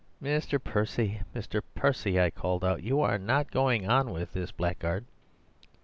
"'Mr. Percy, Mr. Percy!' I called out; 'you are not going on with this blackguard?